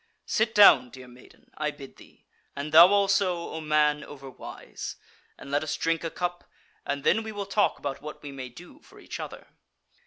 Sit down, dear maiden, I bid thee; and thou also, O man overwise; and let us drink a cup, and then we will talk about what we may do for each other."